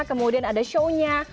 kemudian ada shownya